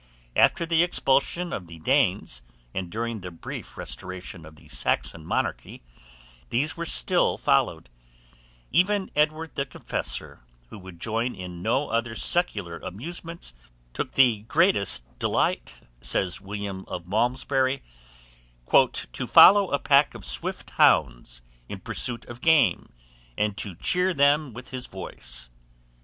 After the expulsion of the Danes, and during the brief restoration of the Saxon monarchy, these were still followed: even Edward the Confessor, who would join in no other secular amusements, took the greatest delight, says William of Malmesbury, "to follow a pack of swift hounds in pursuit of game, and to cheer them with his voice."